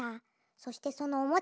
そしてそのおもちが」。